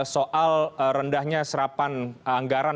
soal rendahnya serapan anggaran